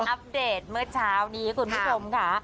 อัปเดตเมื่อเช้านี้คุณผู้ชมค่ะ